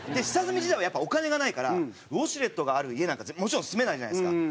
下積み時代はやっぱお金がないからウォシュレットがある家なんかもちろん住めないじゃないですか。